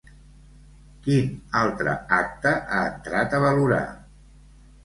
Quin altre acte ha entrat a valorar?